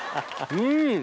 うん！